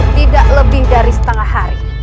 tidak lebih dari setengah hari